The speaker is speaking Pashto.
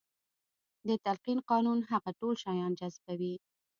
د تلقين قانون هغه ټول شيان جذبوي.